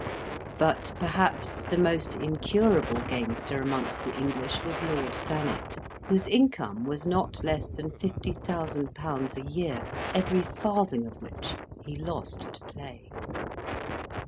But, perhaps, the most incurable gamester amongst the English was Lord Thanet, whose income was not less than 50,000£. a year, every farthing of which he lost at play.